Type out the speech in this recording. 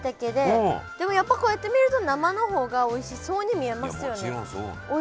でもやっぱこうやって見ると生のほうがおいしそうに見えますよね。